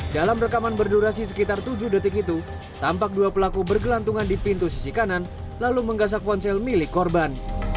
dalam rekaman berdurasi sekitar tujuh detik itu tampak dua pelaku bergelantungan di pintu sisi kanan lalu menggasak ponsel milik korban